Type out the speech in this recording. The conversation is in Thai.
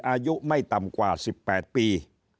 อายุไม่ต่ำกว่า๑๘ปี